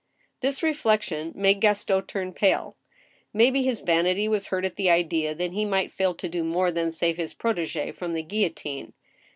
This reflection made Gaston turn pale. May be his vanity was hurt at the idea that he might fail to do more than save his prot^i from the guillotine.